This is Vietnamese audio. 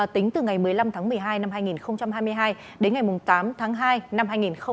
tính từ ngày một mươi năm tháng một mươi hai năm hai nghìn hai mươi hai đến ngày tám tháng hai năm hai nghìn hai mươi ba